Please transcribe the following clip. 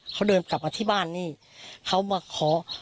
เค้าเดินกลับมาที่บ้านนี้เค้ามาขอ